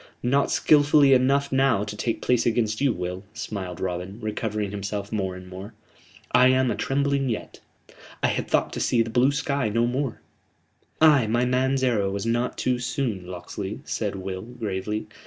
"Not skilfully enough now to take place against you, Will," smiled Robin, recovering himself more and more. "I am atrembling yet. I had thought to see the blue sky no more " "Ay, my man's arrow was not too soon, Locksley," said Will, gravely.